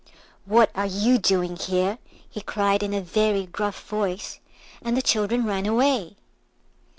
"What are you doing here?" he cried in a very gruff voice, and the children ran away.